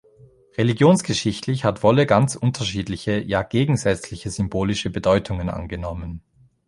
Religionsgeschichtlich hat Wolle ganz unterschiedliche, ja gegensätzliche symbolische Bedeutungen angenommen.